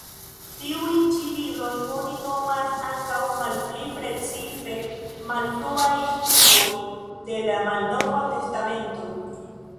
Tiujn ĉi librojn oni nomas ankaŭ, malpli precize, "malfruaj skriboj de la Malnova Testamento".